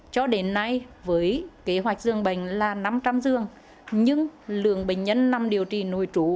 cho đến nay với kế hoạch dương bệnh là năm trăm linh dương nhưng lượng bệnh nhân nằm điều trị nội trụ